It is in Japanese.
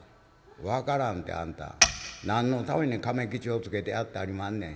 「分からんてあんた何のために亀吉をつけてやってはりまんねん？」。